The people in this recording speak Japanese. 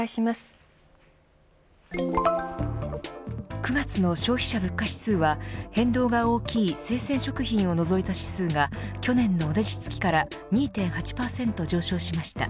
９月の消費者物価指数は変動が大きい生鮮食品を除いた指数が去年の同じ月から２．８％上昇しました。